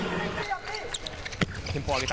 テンポを上げた。